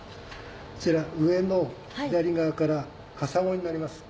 こちら上の左側からカサゴになります。